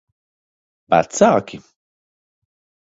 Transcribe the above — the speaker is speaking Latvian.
Vecāki?